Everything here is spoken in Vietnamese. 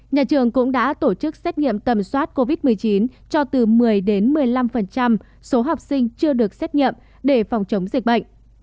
nhà trường cũng đã tổ chức xét nghiệm tầm soát covid một mươi chín cho từ một mươi đến một mươi năm số học sinh chưa được xét nghiệm để phòng chống dịch bệnh